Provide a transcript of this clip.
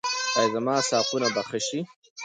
ایا زما ساقونه به ښه شي؟